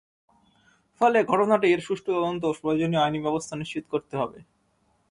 ফলে ঘটনাটির সুষ্ঠু তদন্ত ও প্রয়োজনীয় আইনি ব্যবস্থা নিশ্চিত করতে হবে।